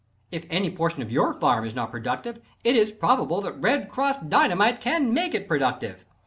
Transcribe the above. If any portion of your farm is not productive, it is probable that "Red Cross" Dynamite can make it productive.